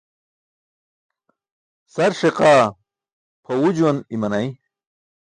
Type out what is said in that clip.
Sar ṣiqaa pʰaẏuu juwan i̇manay.